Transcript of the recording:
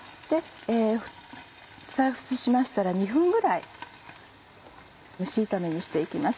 再沸しましたら２分ぐらい蒸し炒めにしていきます。